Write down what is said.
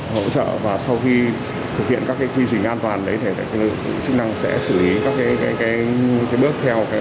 hỗ trợ và sau khi thực hiện các cái khuyến trình an toàn đấy thì lực lượng chức năng sẽ xử lý các cái bước theo